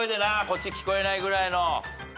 こっち聞こえないぐらいの。